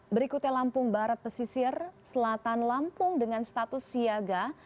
berikutnya lampung barat pesisir selatan lampung dengan status siaga